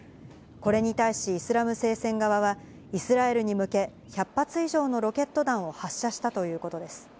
これに対し、イスラム聖戦側は、イスラエルに向け、１００発以上のロケット弾を発射したということです。